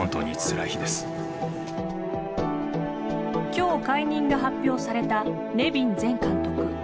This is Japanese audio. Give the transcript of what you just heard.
今日解任が発表されたネビン前監督。